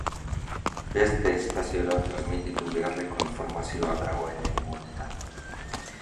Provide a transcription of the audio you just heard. Beste estaziora transmititu beharreko informazioa dago eremu honetan.